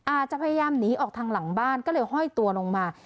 อาจจะพยายามหนีออกทางหลังบ้านก็เลยห้อยตัวลงมา